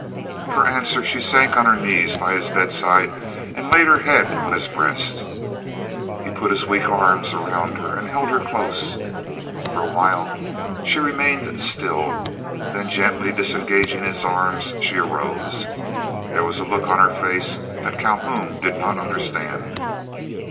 For answer she sank on her knees by his bedside and laid her head on his breast. He put his weak arms around her, and held her close. For a while she remained still, then gently disengaging his arms, she arose. There was a look on her face that Calhoun did not understand.